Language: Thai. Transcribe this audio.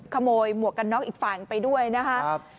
ขโมยหมวกกันนอกอีกฝ่ายไปด้วยนะครับ